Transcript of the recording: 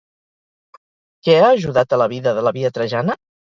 Què ha ajudat a la vida de la Via Trajana?